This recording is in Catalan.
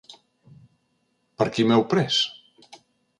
Per qui m'heu pres?